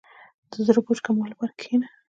• د زړه بوج کمولو لپاره کښېنه.